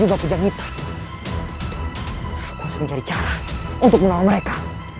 aku harus menjadi cara untuk menolong mereka